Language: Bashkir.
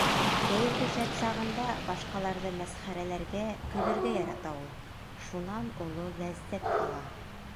Кәйефе шәп сағында башҡаларҙы мәсхәрәләргә, көлөргә ярата ул, шунан оло ләззәт ала.